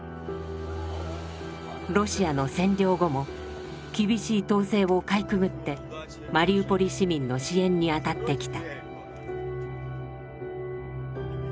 ロシアの占領後も厳しい統制をかいくぐってマリウポリ市民の支援に当たってきた。